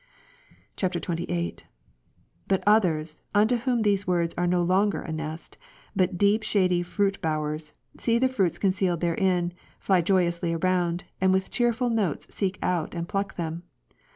[XXVIII.] 38. But others, unto whom these words are no longer a nest, but deep shady fruit bowers, see the fruits concealed therein, fly joyously around, and with cheerful notes seek out, and pluck them.